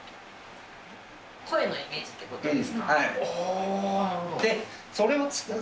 声のイメージっていうことではい。